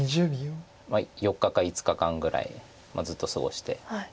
４日か５日間ぐらいずっと過ごして。